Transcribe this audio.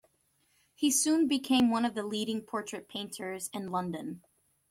He soon became one of the leading portrait painters in London.